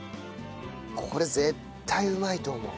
これ絶対うまいと思う。